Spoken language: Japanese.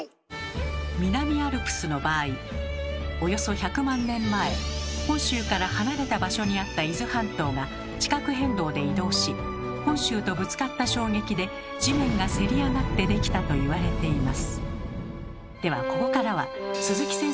南アルプスの場合およそ１００万年前本州から離れた場所にあった伊豆半島が地殻変動で移動し本州とぶつかった衝撃で地面がせり上がってできたといわれています。